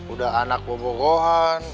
udah anak berpukuhan